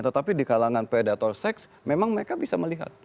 tetapi di kalangan predator seks memang mereka bisa melihat